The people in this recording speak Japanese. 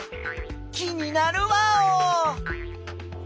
気になるワオ！